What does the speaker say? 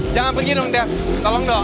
jangan pergi dong dev tolong dong